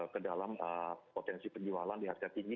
kedalam potensi penjualan di harga tinggi